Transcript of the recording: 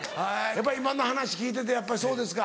今の話聞いててやっぱりそうですか？